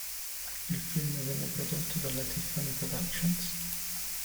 Il film venne prodotto dalla Tiffany Productions.